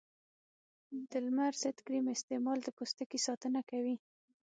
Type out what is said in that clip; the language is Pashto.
د لمر ضد کریم استعمال د پوستکي ساتنه کوي.